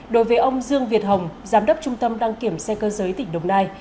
đối với ông dương việt hồng giám đốc trung tâm đăng kiểm xe cơ giới tỉnh đồng nai